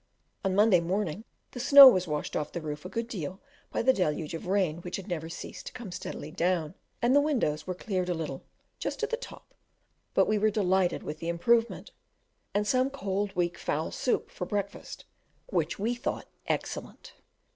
On Monday morning the snow was washed off the roof a good deal by the deluge of rain which had never ceased to come steadily down, and the windows were cleared a little, just at the top; but we were delighted with the improvement, and some cold weak fowl soup for breakfast, which we thought excellent.